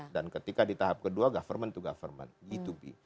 dan ketika di tahap kedua government to government g to b